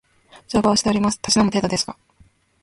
乗馬をしております。たしなむ程度ですが